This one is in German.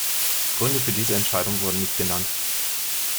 Gründe für diese Entscheidung wurden nicht genannt.